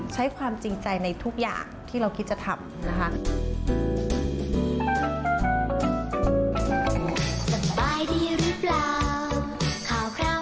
ใช้ความจริงใจในทุกอย่างที่เราคิดจะทำนะคะ